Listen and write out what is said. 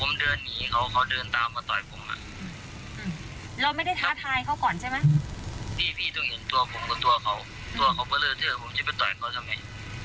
ไม่ได้ไปต่อยเขาทำไม